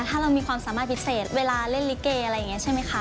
ถ้าเรามีความสามารถพิเศษเวลาเล่นลิเกอะไรอย่างนี้ใช่ไหมคะ